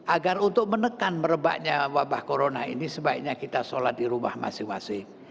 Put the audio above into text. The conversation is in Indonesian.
agar untuk menekan merebaknya wabah corona ini sebaiknya kita sholat di rumah masing masing